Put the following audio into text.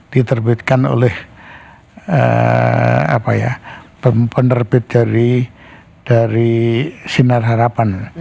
diterbitkan oleh penerbit dari sinar harapan